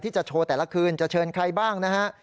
จะโชว์แต่ละคืนจะเชิญใครบ้างนะฮะ